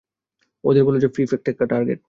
ওদের বল যে কিফ একটা টার্গেট!